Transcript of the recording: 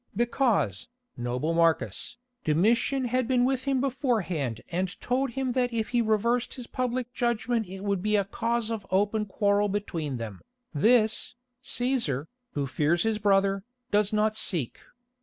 "Because, noble Marcus, Domitian had been with him beforehand and told him that if he reversed his public judgment it would be a cause of open quarrel between them. This, Cæsar, who fears his brother, does not seek.